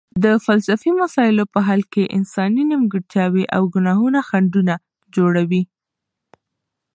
د فلسفي مسایلو په حل کې انساني نیمګړتیاوې او ګناهونه خنډونه جوړوي.